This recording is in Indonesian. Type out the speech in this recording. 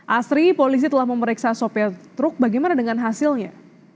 asri polisi telah memeriksa sopir truk bagaimana dengan hasilnya